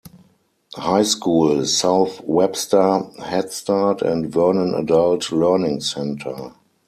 High School, South Webster Headstart, and Vernon Adult Learning Center.